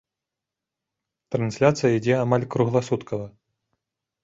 Трансляцыя ідзе амаль кругласуткава.